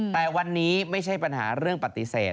แต่วันนี้ไม่ใช่ปัญหาเรื่องปฏิเสธ